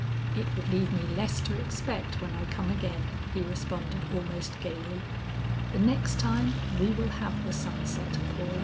"It would leave me less to expect when I come again," he responded almost gayly. "The next time we will have the sunset, Paula."